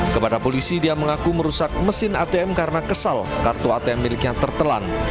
kepada polisi dia mengaku merusak mesin atm karena kesal kartu atm miliknya tertelan